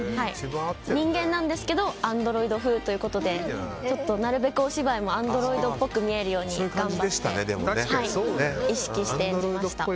人間なんですけどアンドロイド風ということでなるべくお芝居もアンドロイドっぽく見えるように頑張って意識してみました。